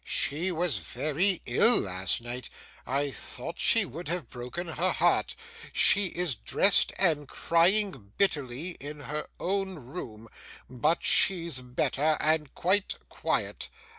'She was very ill last night. I thought she would have broken her heart. She is dressed, and crying bitterly in her own room; but she's better, and quite quiet.